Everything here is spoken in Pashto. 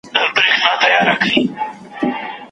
هر مزل مو له پېړیو د اشنا په وینو سور دی